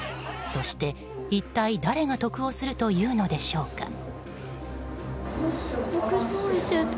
そして、一体誰が得をするというのでしょうか。